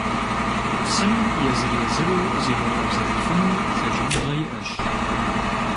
Псым езыр-езыру зигъэкъэбзэжыфыну лъэкӀыныгъэ иӀэщ.